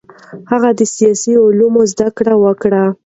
هغه د سیاسي علومو زده کړه وکړه.